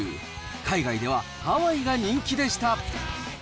海外ではハワイが人気でした。